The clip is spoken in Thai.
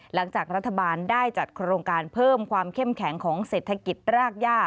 หลังจากรัฐบาลได้จัดโครงการเพิ่มความเข้มแข็งของเศรษฐกิจรากย่า